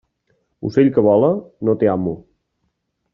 Ocell que vola, no té amo.